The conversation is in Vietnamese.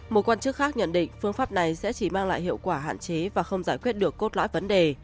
một quan chức khác nhận định phương pháp này sẽ chỉ mang lại hiệu quả hạn chế và không giải quyết được cốt lõi vấn đề